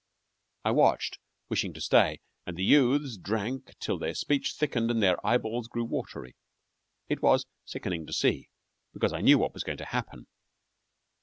I watched, wishing to stay, and the youths drank till their speech thickened and their eye balls grew watery. It was sickening to see, because I knew what was going to happen.